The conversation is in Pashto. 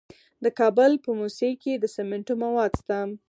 د کابل په موسهي کې د سمنټو مواد شته.